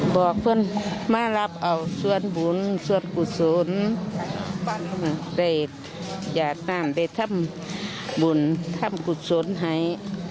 บอกเพื่อนมารับเอาส่วนบุญส่วนกุศลได้อยากน้ำได้ทำบุญทำกุศลให้